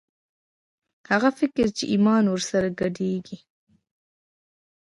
هغه فکر چې ایمان ور سره ګډېږي